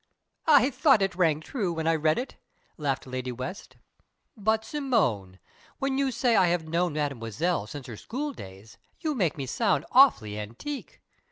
"I thought it rang true when I read it!" laughed Lady West. "But Simone, when you say I have 'known Mademoiselle since her schooldays', you make me sound awfully antique.